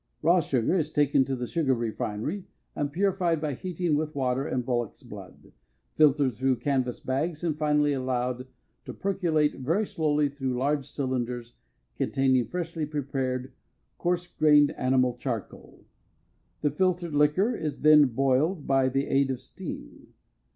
Raw sugar is taken to the sugar refinery and purified by heating with water and bullocks' blood, filtered through canvas bags and finally allowed to percolate very slowly through large cylinders containing freshly prepared, coarse grained animal charcoal. The filtered liquor is then boiled by the aid of steam.